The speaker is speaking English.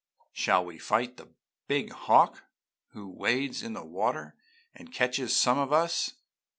"'Shall we fight the big hawk who wades in the water and catches some of us?'